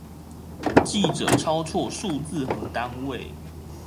記者抄錯數字和單位